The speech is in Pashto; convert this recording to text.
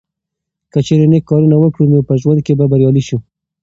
که چیرې نیک کارونه وکړو نو په ژوند کې به بریالي شو.